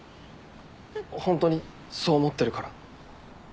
ホントにそう思ってるから。